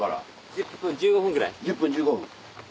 １０分１５分。